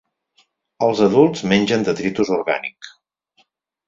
Els adults mengen detritus orgànic.